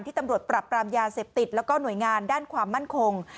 ตำรวจปรับปรามยาเสพติดแล้วก็หน่วยงานด้านความมั่นคง